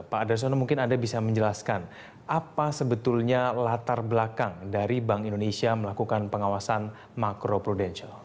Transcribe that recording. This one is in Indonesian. pak darsono mungkin anda bisa menjelaskan apa sebetulnya latar belakang dari bank indonesia melakukan pengawasan makro prudensial